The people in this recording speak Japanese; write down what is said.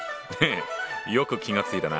よく気がついたな。